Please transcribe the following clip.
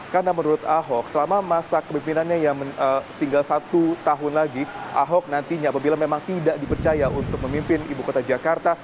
karena menurut ahok selama masa kepimpinannya yang tinggal satu tahun lagi ahok nantinya apabila memang tidak dipercaya untuk memimpin ibu kota jakarta